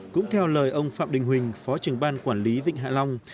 cũng theo lời ông phạm đình huỳnh phó trưởng ban quản lý vịnh hạ long